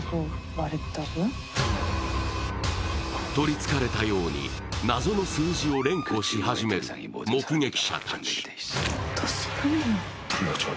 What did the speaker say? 取りつかれたように謎の数字を連呼し始める目撃者たち。